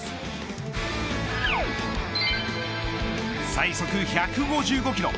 最速１５５キロ。